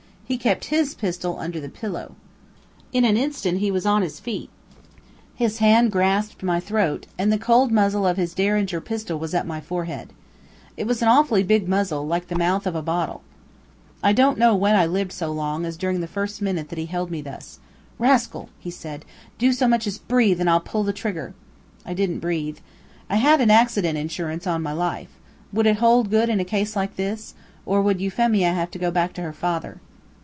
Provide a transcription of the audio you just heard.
He kept HIS pistol under his pillow. In an instant he was on his feet, his hand grasped my throat, and the cold muzzle of his Derringer pistol was at my forehead. It was an awfully big muzzle, like the mouth of a bottle. I don't know when I lived so long as during the first minute that he held me thus. "Rascal!" he said. "Do as much as breathe, and I'll pull the trigger." I didn't breathe. I had an accident insurance on my life. Would it hold good in a case like this? Or would Euphemia have to go back to her father?